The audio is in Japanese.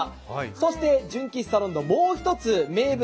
そして純喫茶ロンドンの名物